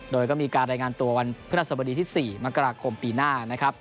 โดยก็มีการรายงานตัววันพฤหัสบดีที่๔มกราคมปีหน้านะครับ